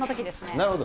なるほど。